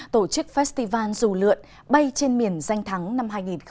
tổ chức festival dù lượn bay trên miền danh thắng năm hai nghìn hai mươi ba